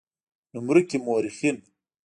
نومورکي مؤرخين